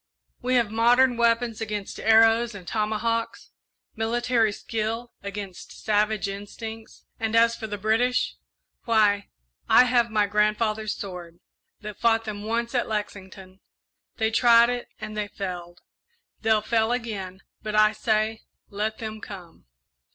We have modern weapons against arrows and tomahawks, military skill against savage instincts; and as for the British, why, I have my grandfather's sword, that fought them once at Lexington. They tried it and they failed they'll fail again; but I say, let them come!"